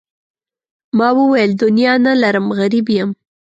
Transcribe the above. ما وویل دنیا نه لرم غریب یم.